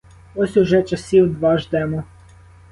Ось уже часів два ждемо.